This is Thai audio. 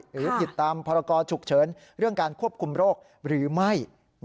หรือผิดตามพรกรฉุกเฉินเรื่องการควบคุมโรคหรือไม่